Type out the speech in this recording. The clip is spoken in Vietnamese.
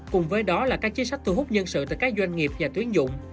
cùng với đó là các chính sách thu hút nhân sự từ các doanh nghiệp và tuyến dụng